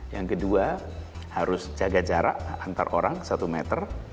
yang kedua harus jaga jarak antar orang satu meter